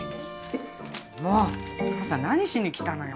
もう母さん何しに来たのよ？